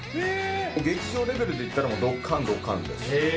劇場レベルでいったらドッカンドッカンです。